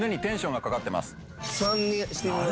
３にしてみます。